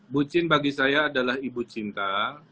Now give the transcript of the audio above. bucin bagi saya adalah ibu cinta